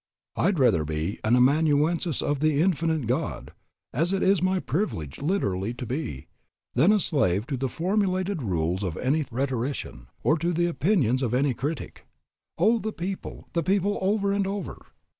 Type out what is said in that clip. I had rather be an amanuensis of the Infinite God, as it is my privilege literally to be, than a slave to the formulated rules of any rhetorician, or to the opinions of any critic. Oh, the people, the people over and over!